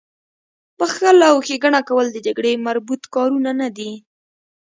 بخښل او ښېګڼه کول د جګړې مربوط کارونه نه دي